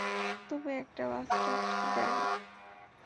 তুমি একটা bastard, Danny.